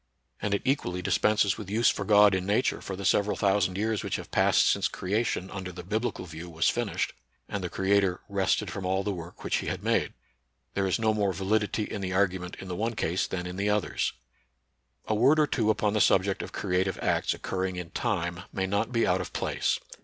And it equally dispenses with use for God in Nature for the several thousand years which have passed since creation under the biblical view was finished, and the Creator " rested from all the work which he had made." There is no more validity in the argument in the one case than in the others. A word or two upon the subject of creative acts occurring in time may not be out of place.